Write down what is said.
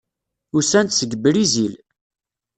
Usan-d seg Brizil.